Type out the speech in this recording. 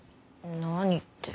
何って。